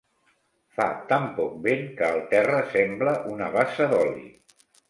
Fa tan poc vent que el terra sembla una bassa d'oli.